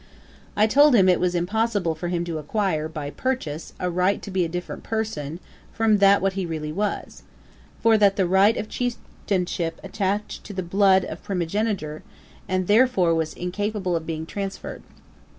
I told him it was impossible for him to acquire, by purchase, a right to be a different person from what he really was; for that the right of Chieftainship attached to the blood of primogeniture, and, therefore, was incapable of being transferred.